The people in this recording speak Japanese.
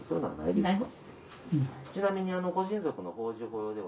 ちなみにご親族の法事法要では。